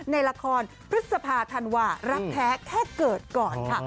ในละครพฤษภาธันวารักแท้แค่เกิดก่อนค่ะ